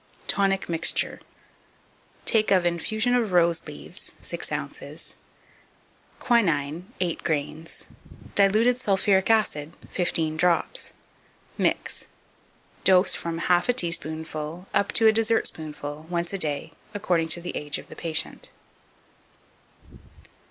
2559. Tonic Mixture. Take of infusion of rose leaves, 6 ounces; quinine, 8 grains; diluted sulphuric acid, 15 drops. Mix. Dose, from half a teaspoonful up to a dessertspoonful, once a day, according to the ago of the patient.